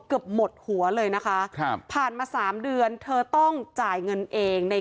เกือบหมดหัวเลยนะคะครับผ่านมาสามเดือนเธอต้องจ่ายเงินเองใน